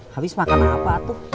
habis makan apa tuh